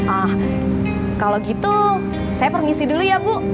ah kalau gitu saya permisi dulu ya bu